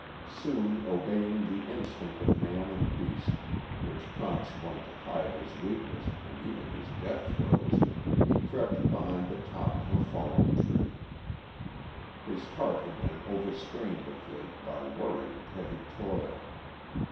Soon obeying the instinct of man and beast, which prompts one to hide his weakness and even his death throes, he crept behind the top of a fallen tree. His heart had been overstrained of late by worry and heavy toil.